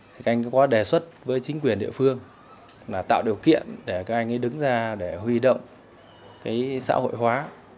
thì các anh có đề xuất với chính quyền địa phương là tạo điều kiện để các anh ấy đứng ra để huy động cái xã hội hóa